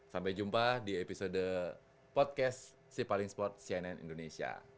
sampai jumpa di episode podcast sipalingsport cnn indonesia